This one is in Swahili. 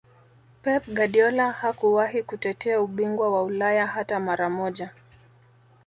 Pep Guardiola hakuwahi kutetea ubingwa wa Ulaya hata mara moja